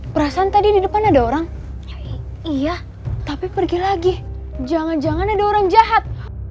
perasaan tadi di depan ada orang iya tapi pergi lagi jangan jangan ada orang jahat